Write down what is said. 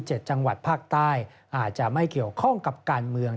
จังหวัดภาคใต้อาจจะไม่เกี่ยวข้องกับการเมือง